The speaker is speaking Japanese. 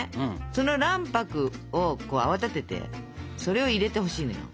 その卵白を泡立ててそれを入れてほしいのよ。